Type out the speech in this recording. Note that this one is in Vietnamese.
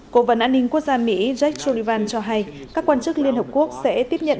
cố vấn an ninh quốc gia mỹ jake sullivan cho hay các quan chức liên hợp quốc sẽ tiếp nhận